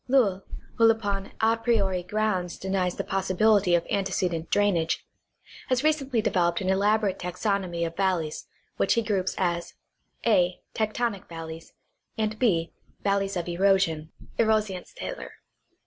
Lowl, who upon a priori grounds denies the possibility of ante cedent drainage, has recently developed an elaborate taxonomy of valleys which he groups as (a) tectonic valleys, and (6) valleys of erosion (Erosionsthaler).